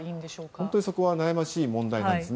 本当にそこは悩ましい問題ですね。